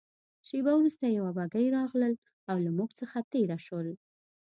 شېبه وروسته یوه بګۍ راغلل او له موږ څخه تېره شول.